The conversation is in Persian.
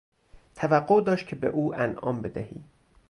توقع داشت که به او انعام بدهی.